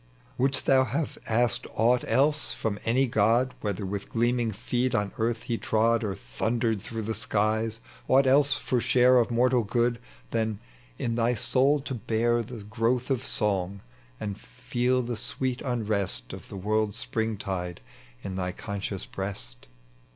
Wouldst thou havo asked aught else from any god — Whether with gleaming feet on earth he trod Or thundered through the skies — aught else for share Of mortal good, than in thy soul to bear .tec bv Google 40 THE LEGEND OE JUBAL. The growth of song, and feel the sweet unrest Of the world's spring tide in thy conseioua breast?